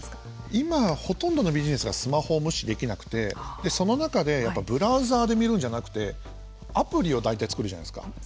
今、ほとんどのビジネスがスマホを無視できなくてその中でブラウザーで見るんじゃなくてアプリを大体作るじゃないですか。